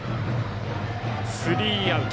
スリーアウト。